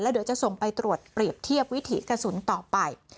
เดี๋ยวจะส่งไปตรวจเปรียบเทียบวิถีกระสุนต่อไป